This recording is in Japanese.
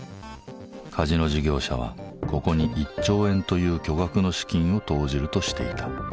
カジノ事業者はここに１兆円という巨額の資金を投じるとしていた。